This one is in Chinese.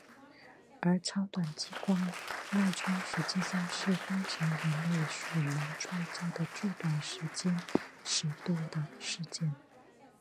而超短激光脉冲实际上是当前人类所能创造的最短时间尺度的事件。